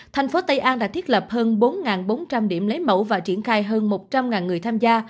thành phố tây an đã thiết lập hơn bốn bốn trăm linh điểm lấy mẫu và triển khai hơn một trăm linh người tham gia